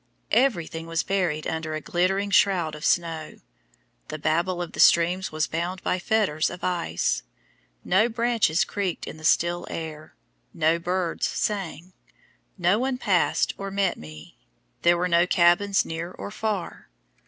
Everything was buried under a glittering shroud of snow. The babble of the streams was bound by fetters of ice. No branches creaked in the still air. No birds sang. No one passed or met me. There were no cabins near or far.